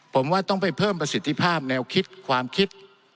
ผมว่าต้องไปเพิ่มประสิทธิภาพแนวคิดความคิด